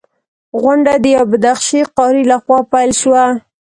غونډه د یوه بدخشي قاري لخوا پیل شوه.